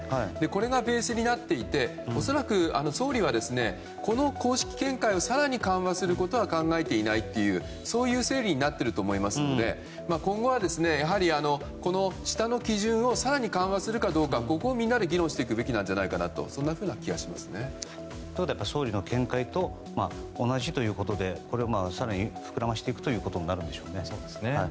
これがベースになっていて恐らく、総理はこの公式見解を更に緩和することは考えていないというそういう整理になっていると思いますので今後は、やはり下の基準を更に緩和するかどうかここをみんなで議論していくべきじゃないかとそんなふうな気がしますね。ということは総理の見解と同じということで更に膨らませていくことになるんですかね。